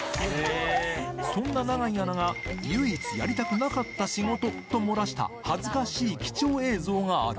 そんな永井アナが唯一やりたくなかった仕事と漏らした、恥ずかしい貴重映像がある。